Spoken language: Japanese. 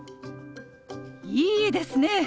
いいですね！